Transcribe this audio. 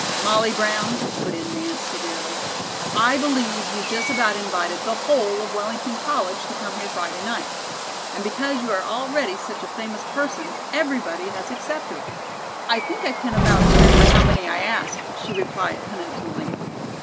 "Molly Brown," put in Nance severely, "I believe you've just about invited the whole of Wellington College to come here Friday night. And because you are already such a famous person, everybody has accepted." "I think I can about remember how many I asked," she replied penitently.